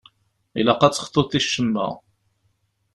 Ilaq ad texḍuḍ i ccemma.